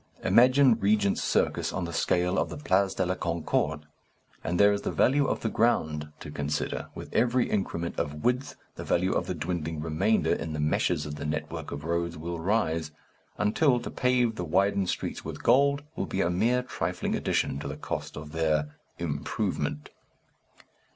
Imagine Regent's Circus on the scale of the Place de la Concorde. And there is the value of the ground to consider; with every increment of width the value of the dwindling remainder in the meshes of the network of roads will rise, until to pave the widened streets with gold will be a mere trifling addition to the cost of their "improvement."